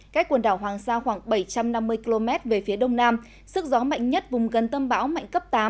cách quần đảo hoàng sa khoảng bảy trăm năm mươi km về phía đông nam sức gió mạnh nhất vùng gần tâm bão mạnh cấp tám